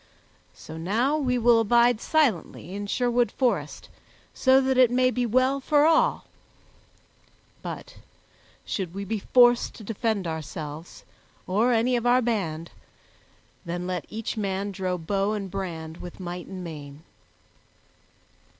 So now we will abide silently in Sherwood Forest, so that it may be well for all, but should we be forced to defend ourselves, or any of our band, then let each man draw bow and brand with might and main."